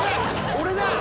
俺だ！